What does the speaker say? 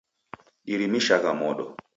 Dirimishagha modo.